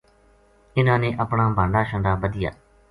اِنھاں نے اپنا بھانڈا شانڈا بَدھیا